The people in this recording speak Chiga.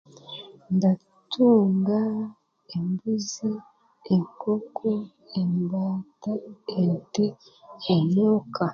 Ndatunga embuzi, enkonko, embaata, ente ,omuuka